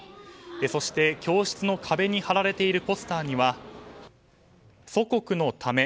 そして、教室の壁に貼られているポスターには「祖国のため」